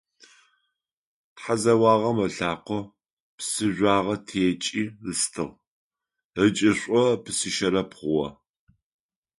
Тхьэзэуагъэм ылъакъо псыжъуагъэ текӏи ыстыгъ, ыкӏышъо псыщэрэб хъугъэ.